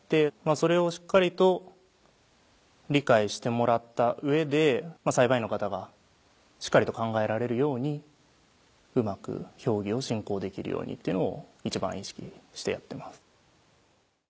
それをしっかりと理解してもらった上で裁判員の方がしっかりと考えられるようにうまく評議を進行できるようにっていうのを一番意識してやってます。